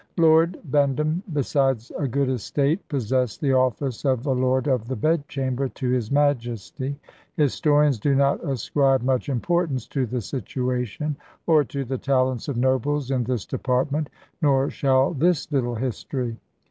Lord Bendham, besides a good estate, possessed the office of a lord of the bed chamber to his Majesty. Historians do not ascribe much importance to the situation, or to the talents of nobles in this department, nor shall this little history.